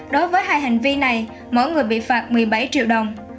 đối với hai hành vi này mỗi người bị phạt một mươi bảy triệu đồng